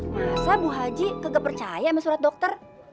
masa bu haji kagak percaya sama surat dokter